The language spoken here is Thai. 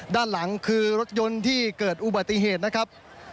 ด้านหลังคือรถยนต์ที่เกิดอุบัติเหตุนะครับ